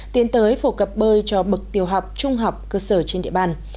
tiến tới phổ cập bơi cho bậc tiểu học trung học cơ sở trên địa bàn